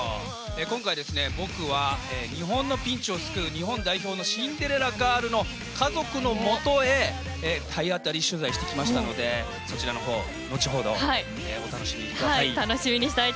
今回、僕は日本のピンチを救う日本代表のシンデレラガールの家族のもとへ体当たり取材してきましたのでそちらのほうを後ほどお楽しみください。